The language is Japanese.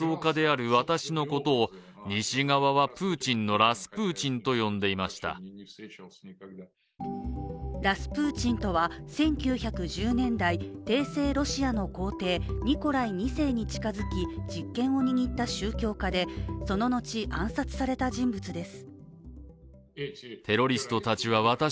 ラスプーチンとは１９１０年代、帝政ロシアの皇帝ニコライ２世に近づき実権を握った宗教家でその後、暗殺された人物です。